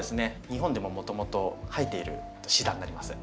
日本でももともと生えているシダになります。